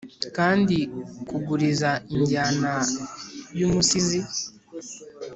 kandi kuguriza injyana yumusizi